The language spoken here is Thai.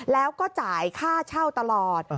แล้วก็จ่ายค่าเช่าตลอด